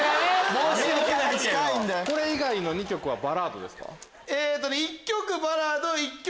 これ以外の２曲はバラードですか？